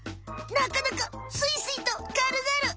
なかなかスイスイとかるがる！